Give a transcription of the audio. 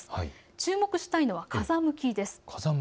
注目したいのは風向きです。